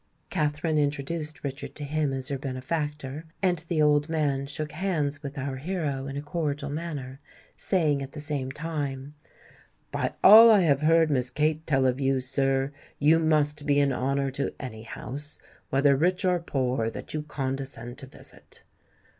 Katherine introduced Richard to him as her benefactor; and the old man shook hands with our hero in a cordial manner, saying at the same time, "By all I have heard Miss Kate tell of you, sir, you must be an honour to any house, whether rich or poor, that you condescend to visit."